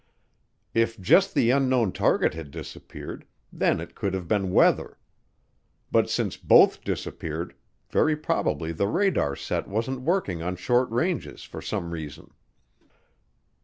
If just the unknown target had disappeared, then it could have been weather. But since both disappeared, very probably the radar set wasn't working on short ranges for some reason.